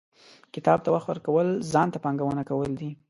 • کتاب ته وخت ورکول، ځان ته پانګونه کول دي.